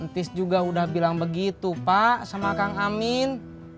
nanti juga udah bilang begitu pak sama kang amin